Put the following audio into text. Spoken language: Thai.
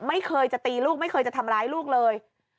ไม่เคยจะตีลูกไม่เคยจะทำร้ายลูกเลย